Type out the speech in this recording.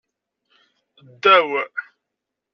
Ddaw.